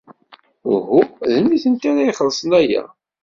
Uhu, d nitenti ara ixellṣen aya.